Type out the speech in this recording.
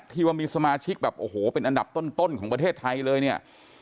ที่ว่ามีสมาชิกแบบโอ้โหเป็นอันดับต้นของประเทศไทยเลยเนี่ย